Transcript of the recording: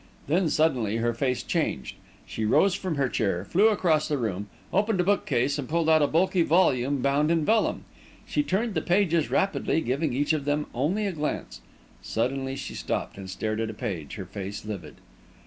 Then, suddenly, her face changed, she rose from her chair, flew across the room, opened a book case and pulled out a bulky volume bound in vellum. She turned the pages rapidly, giving each of them only a glance. Suddenly she stopped, and stared at a page, her face livid.